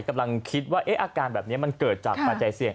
กำลังคิดว่าอาการแบบนี้มันเกิดจากปัจจัยเสี่ยง